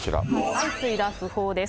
相次いだ訃報です。